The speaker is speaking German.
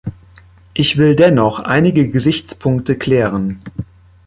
Ich will dennoch einige Gesichtspunkte klären.